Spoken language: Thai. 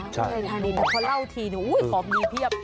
ไม่ได้เล่าทีนี่อุ้ยขอบมีเทียบ